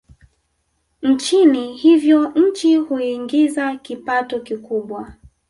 nchini hivyo nchi huiingiza kipato kikubwa